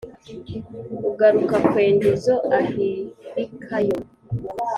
Ugaruka kwenda izo ahirikayo,